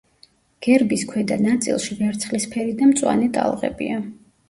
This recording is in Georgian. გერბის ქვედა ნაწილში ვერცხლისფერი და მწვანე ტალღებია.